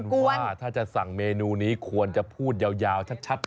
ว่าถ้าจะสั่งเมนูนี้ควรจะพูดยาวชัด